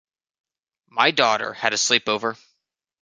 My daughter had a sleepover.